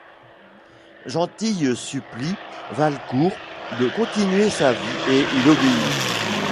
Gentille supplie Valcourt de continuer sa vie et il obéit.